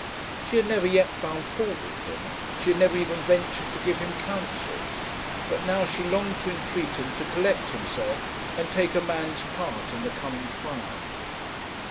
She had never yet found fault with him, she had never even ventured to give him counsel, but now she longed to entreat him to collect himself and take a man's part in the coming trial.